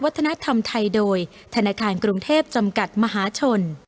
วัฒนธรรมไทยโดยธนาคารกรุงเทพจำกัดมหาชน